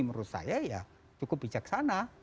menurut saya ya cukup bijaksana